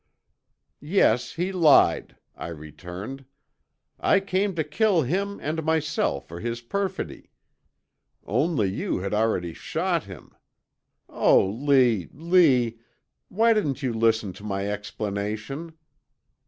"'Yes, he lied,' I returned. 'I came to kill him and myself for his perfidy. Only you had already shot him. Oh, Lee, Lee, why didn't you listen to my explanation!'